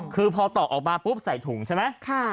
คือพอต่อออกมาปุ๊บใส่ถุงใช่ไหม